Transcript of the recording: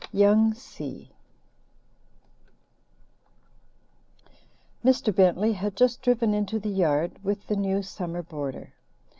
Young Si Mr. Bentley had just driven into the yard with the new summer boarder.